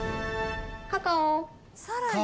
カカオ。